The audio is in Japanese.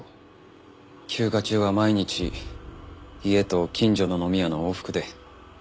休暇中は毎日家と近所の飲み屋の往復で。